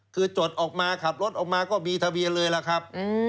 คือจดออกมาขับรถออกมาก็มีทะเบียนเลยล่ะครับ